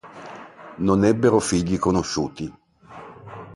Non ebbero figli conosciuti.